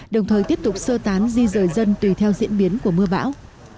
đồng thời tiếp tục sơ tán di rời dân tùy theo diễn biến của mưa bão